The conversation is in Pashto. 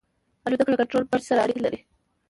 الوتکه له کنټرول برج سره اړیکه لري.